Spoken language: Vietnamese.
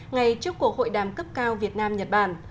ngay trước cuộc hội đàm cấp cao việt nam nhật bản